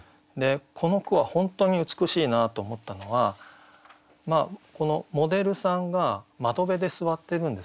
この句は本当に美しいなと思ったのはこのモデルさんが窓辺で座ってるんですかね。